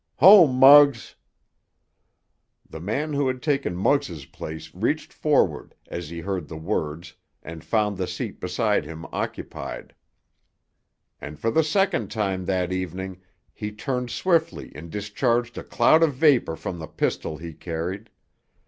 "Home, Muggs!" The man who had taken Muggs' place reached forward as he heard the words and found the seat beside him occupied. And for the second time that evening he turned swiftly and discharged a cloud of vapor from the pistol he carried.